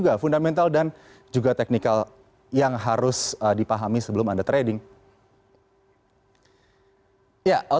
nah kalau menurut saya harusnya di dalam yang benar itu memang diperhatikan